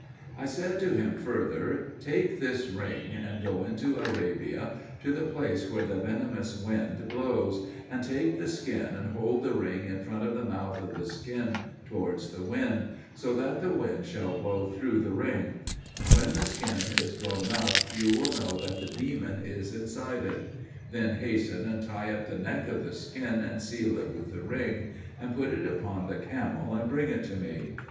I said to him further, "Take this ring and go into Arabia, to the place where the venomous wind blows, and take the skin and hold the ring in front of the mouth of the skin towards the wind, so that the wind shall blow through the ring; and when the skin is blown up, you will know that the demon is inside it. Then hasten and tie up the neck of the skin, and seal it with the ring, and put it upon the camel, and bring it to me.